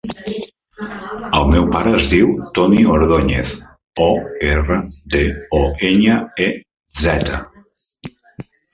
El meu pare es diu Toni Ordoñez: o, erra, de, o, enya, e, zeta.